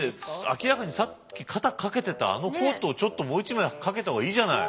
明らかにさっき肩かけてたあのコートをもう一枚かけた方がいいじゃない。